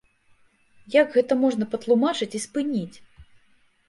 Як гэта можна патлумачыць і спыніць?